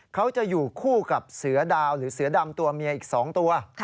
เขาจะอยู่คู่กับเสือดาวหรือเสือดำตัวเมียอีก๒ตัว